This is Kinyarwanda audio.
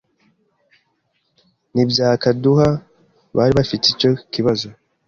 n’ibya Kaduha bari bafite icyo kibazo